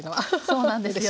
そうなんですよ。